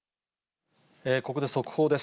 ここで速報です。